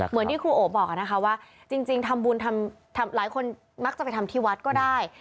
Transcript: เหมือนที่ครูโอบอกนะคะว่าจริงทำบุญหลายคนมักจะไปทำที่วัดก็ได้